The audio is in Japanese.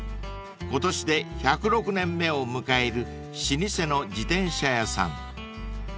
［今年で１０６年目を迎える老舗の自転車屋さん］